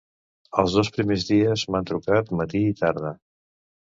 Els dos primers dies m’han trucat matí i tarda.